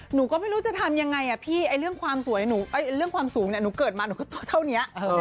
หนูก็ไม่รู้จะทำยังไงพี่เรื่องความสูงหนูเกิดมาแต่น้องเกล้า